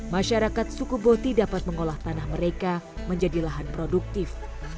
masyarakat suku boti dapat mengolah tanah mereka menjadi lahan produktif